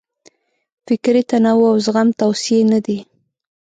فکري تنوع او زغم توصیې نه دي.